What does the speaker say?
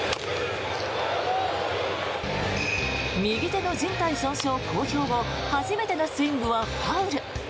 右手のじん帯損傷公表後初めてのスイングはファウル。